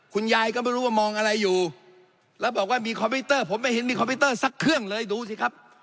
คุณยายก็ไม่รู้ว่ามองอะไรอยู่แล้วบอกว่ามีคอมพิวเตอร์ผมไม่เห็นมีคอมพิวเตอร์สักเครื่องเลยดูสิครับ